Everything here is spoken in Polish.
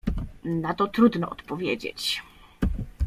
— Na to trudno odpowiedzieć.